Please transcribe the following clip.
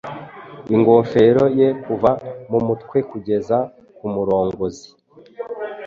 Ingofero ye kuva mumutwekugeza kumurongozi